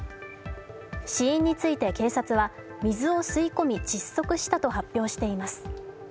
死因について警察は、水を吸い込み窒息したと発表しています。